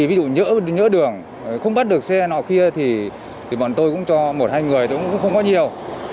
ví dụ nhỡ đường không bắt được xe nào kia thì bọn tôi cũng cho một hai người thì cũng không có nhiều